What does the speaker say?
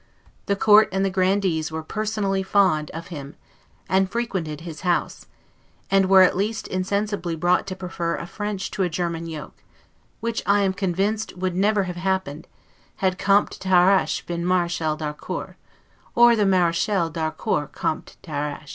The court and the grandees were personally fond, of him, and frequented his house; and were at least insensibly brought to prefer a French to a German yoke; which I am convinced would never have happened, had Comte d'Harrach been Marechal d'Harcourt, or the Marechal d'Harcourt Comte d'Harrach.